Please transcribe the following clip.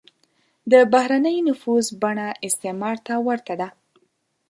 د بهرنی نفوذ بڼه استعمار ته ورته ده.